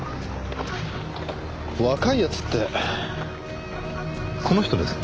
若い奴ってこの人ですか？